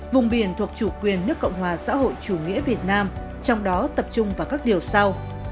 vùng biển thuộc chủ quyền nước cộng hòa xã hội chủ nghĩa việt nam trong đó tập trung vào các điều sau